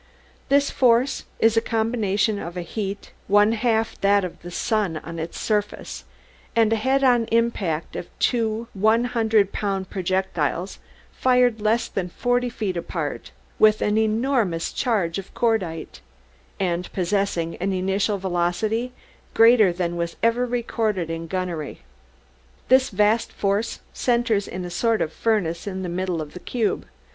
This force is a combination of a heat one half that of the sun on its surface, and a head on impact of two one hundred pound projectiles fired less than forty feet apart with an enormous charge of cordite, and possessing an initial velocity greater than was ever recorded in gunnery. "This vast force centers in a sort of furnace in the middle of the cube.